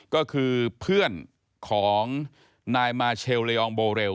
ก็คือเพื่อนของนายมาเชลเลอองโบเรล